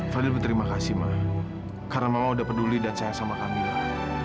fadil berterima kasih ma karena mama sudah peduli dan sayang sama kamila